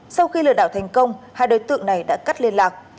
sau khi lừa đảo thành công hai đối tượng này đã cắt liên lạc